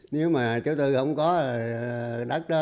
nếu mà chú tư không có đất đó